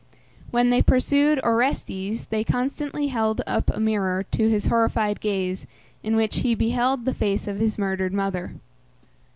When they pursued Orestes they constantly held up a mirror to his horrified gaze, in which he beheld the face of his murdered mother.